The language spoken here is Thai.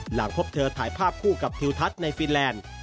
หลังพบเธอถ่ายภาพคู่กับทิวทัศน์ในฟีแลนด์